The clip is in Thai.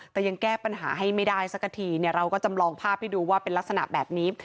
แต่ยังแก้ปัญหาให้ไม่ได้สักทีเนี่ยเราก็จำลองภาพให้ดูว่าเป็นลักษณะแบบนี้